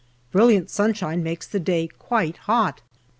Brilliant sunshine makes the day quite hot.